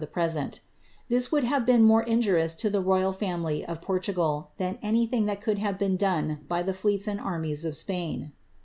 he present This would have been more injurious to the royal Portugal than anything that could have been done by the fleets iS of Spain.